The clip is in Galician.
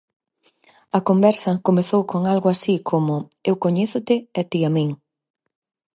A conversa comezou con algo así como: eu coñézote e ti a min.